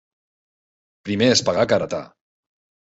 Primer és pagar que heretar.